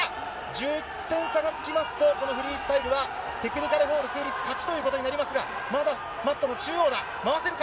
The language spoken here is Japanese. １０点差がつきますと、このフリースタイルは、テクニカルフォール成立、勝ちということになりますが、まだマットの中央だ、回せるか。